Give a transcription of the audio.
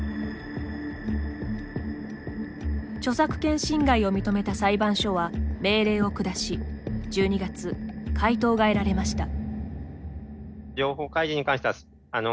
著作権侵害を認めた裁判所は命令を下し１２月、回答が得られました。